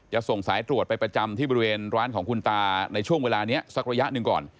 ส่งสายตรวจไปประจำที่บริเวณร้านของคุณตาในช่วงเวลานี้สักระยะหนึ่งก่อน